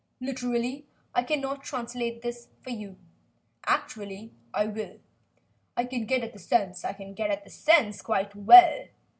Literally I cannot translate this for you; actually I will. I can get at the sense I can get at the sense quite well.